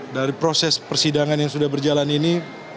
dari proses persidangan yang sudah berjalan ini